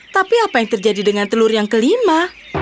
tapi apa yang terjadi dengan telur yang kelima